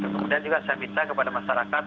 kemudian juga saya minta kepada masyarakat